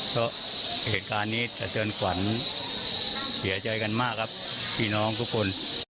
เพราะเหตุการณ์นี้สะเทือนขวัญเสียใจกันมากครับพี่น้องทุกคน